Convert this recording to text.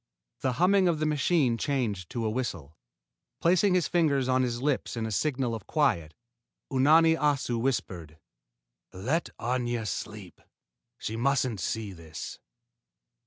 The humming of the machine changed to a whistle. Placing his fingers on his lips in a signal of quiet, Unani Assu whispered: "Let Aña sleep. She mustn't see this."